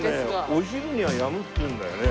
お昼にはやむっていうんだよね。